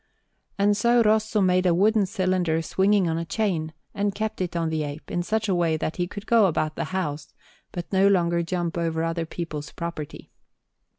And so Rosso made a wooden cylinder swinging on a chain, and kept it on the ape, in such a way that he could go about the house but no longer jump about over other people's property.